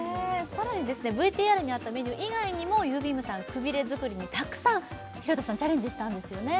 さらにですねＶＴＲにあったメニュー以外にもゆーびーむ☆さんくびれ作りにたくさん廣田さんチャレンジしたんですよね